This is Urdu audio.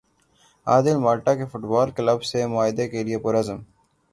عادل مالٹا کے فٹبال کلب سے معاہدے کے لیے پرعزم